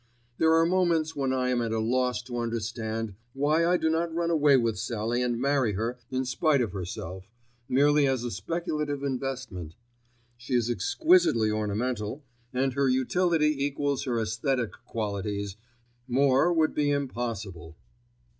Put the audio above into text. There are moments when I am at a loss to understand why I do not run away with Sallie and marry her in spite of herself, merely as a speculative investment. She is exquisitely ornamental, and her utility equals her æsthetic qualities; more would be impossible.